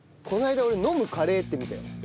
この間俺飲むカレーって見たよ。